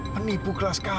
menipu kelas kakak